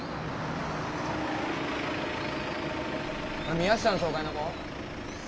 宮下の紹介の子？